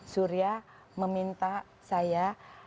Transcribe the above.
surya meminta saya